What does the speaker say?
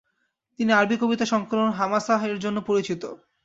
তিনি আরবি কবিতা সংকলন হামাসাহ এর জন্য পরিচিত।